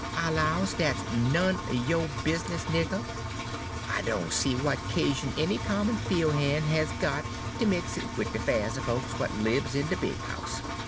"'I 'lows dat's none er yo' bizness, nigger. I doan see w'at 'casion any common fiel' han' has got ter mix in wid de 'fairs er folks w'at libs in de big house.